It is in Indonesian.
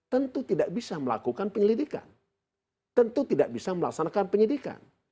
tentu tidak bisa melakukan penyelidikan